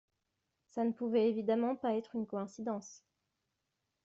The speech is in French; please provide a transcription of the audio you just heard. Ça ne pouvait évidemment pas être une coïncidence.